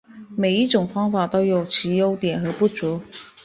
每一种方法都有其优点和不足。